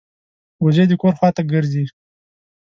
وزې د کور خوا ته ګرځي